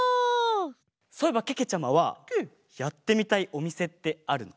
そういえばけけちゃまはやってみたいおみせってあるの？